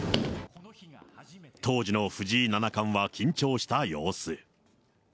当時の藤井七冠は緊張した様子。